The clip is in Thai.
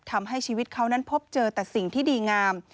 ทำให้ชีวิตเขานั้นพบเจอแต่สิ่งที่ดีงาม